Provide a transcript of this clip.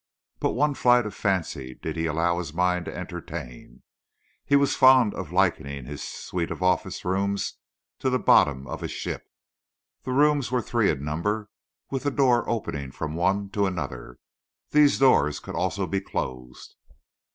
But one flight of fancy did he allow his mind to entertain. He was fond of likening his suite of office rooms to the bottom of a ship. The rooms were three in number, with a door opening from one to another. These doors could also be closed.